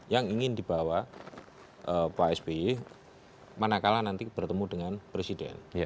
yang ingin dibawa pak sby manakala nanti bertemu dengan presiden